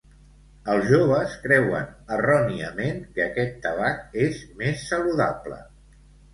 Els joves creuen, erròniament, que aquest tabac és més saludable.